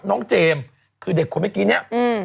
น้องเจมส์คือเด็กคนไปกี๊